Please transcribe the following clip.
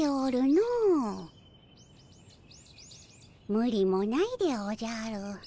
むりもないでおじゃる。